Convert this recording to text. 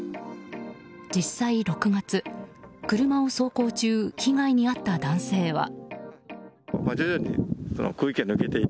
実際、６月車を走行中被害に遭った男性は。